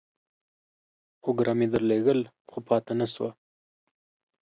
اوگره مې درلېږل ، خو پاته نسوه.